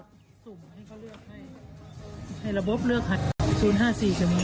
สูมให้เขาเลือกให้ให้ระบบเลือกให้